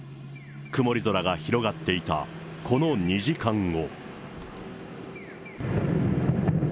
曇り空が広がっていたこの２時間後。